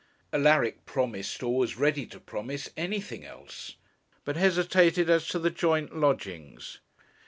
Alaric promised, or was ready to promise, anything else, but hesitated as to the joint lodgings.